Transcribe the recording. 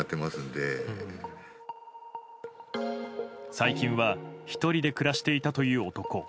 最近は１人で暮らしていたという男。